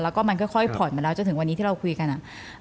แล้วก็มันค่อยผ่อนมาแล้วจนถึงวันนี้ที่เราคุยกันอะ